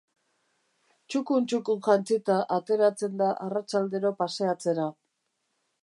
Txukun-txukun jantzita ateratzen da arratsaldero paseatzera.